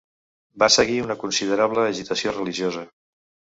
Va seguir una considerable agitació religiosa.